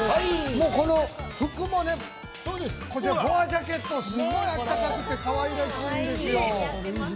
この服もこちらボアジャケットすごく暖かくてかわいらしいんですよ。